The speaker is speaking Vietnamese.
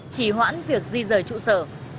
chỉ hoãn việc di rời trụ sở